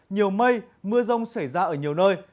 nhiều mây mưa rông xảy ra ở nhiều nơi